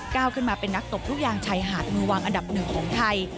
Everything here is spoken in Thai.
ก้าวขึ้นมาเป็นนักตบลูกยางชายหาดมือวางอันดับหนึ่งของไทย